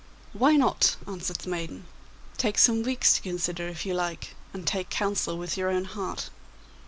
'Why not?' answered the maiden. 'Take some weeks to consider if you like, and take counsel with your own heart.